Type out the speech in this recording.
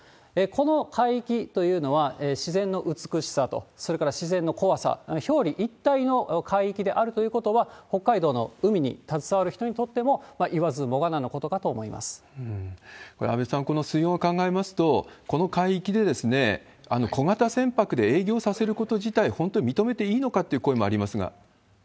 この海域というのは、自然の美しさと、それから自然の怖さ、表裏一体の海域であるということは、北海道の海に携わる人にとっても、これ、安倍さん、水温を考えますと、この海域で小型船舶で営業させること自体、本当に認めていいのかっていう声もありますが。